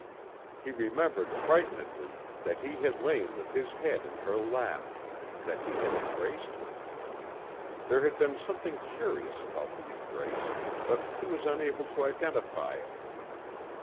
He remembered frightenedly that he had lain with his head in her lap, that he had embraced her. There had been something curious about the embrace but he was unable to identify it.